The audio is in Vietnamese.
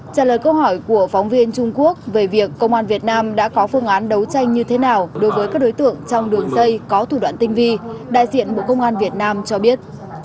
trả lời câu hỏi của phóng viên trung quốc về việc công an việt nam đã có phương án đấu tranh như thế nào đối với các đối tượng trong đường dây có thủ đoạn tinh vi đại diện bộ công an việt nam cho biết